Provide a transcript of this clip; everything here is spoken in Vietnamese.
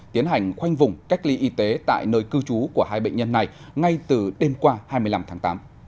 tiến hành khoanh vùng cách ly y tế tại nơi cư trú của hai bệnh nhân này ngay từ đêm qua hai mươi năm tháng tám